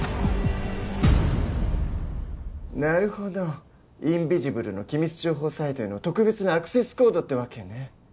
なるほどインビジブルの機密情報サイトへの特別なアクセスコードってわけね